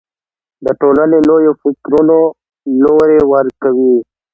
د ټولنې لویو فکرونو لوری ورکوي